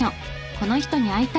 「この人に会いたい！」